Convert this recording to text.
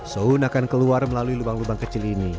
soun akan keluar melalui lubang lubang kecil ini